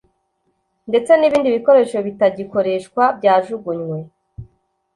ndetse n’ibindi bikoresho bitagikoreshwa byajugunywe